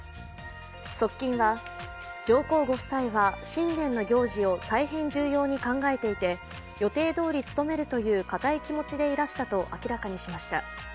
側近は上皇ご夫妻は新年の行事を大変重要に考えていて予定どおり務めるという固い気持ちでいらしたと明らかにしました。